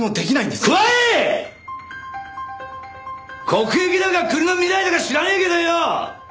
国益だか国の未来だか知らねえけどよ！